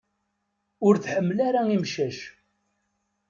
Ur tḥemmel ara imcac.